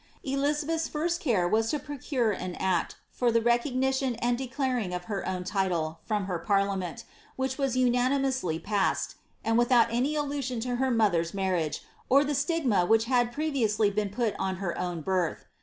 Eiizabeth^s first care was to procure an act, for the recognition and declaring of her own title, from her parliament, which was unanimously passed, and without any allusion to her mother's marriuire, or the stig ma that had previously been put on her own birth.